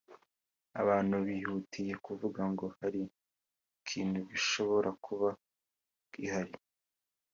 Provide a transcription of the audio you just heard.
Abantu bihutiye kuvuga ngo hari ikintu gishobora kuba gihari